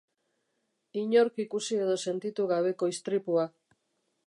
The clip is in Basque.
Inork ikusi edo sentitu gabeko istripua.